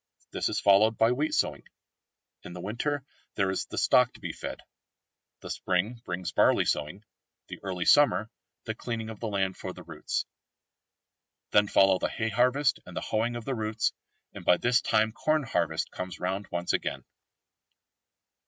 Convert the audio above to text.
This is followed by wheat sowing. In the winter there is the stock to be fed. The spring brings barley sowing, the early summer the cleaning of the land for the roots. Then follow the hay harvest and the hoeing of the roots, and by this time corn harvest comes round once again.